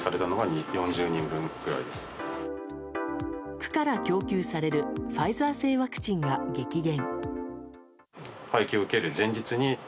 区から供給されるファイザー製ワクチンが激減。